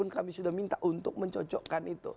kami sudah minta untuk mencocokkan itu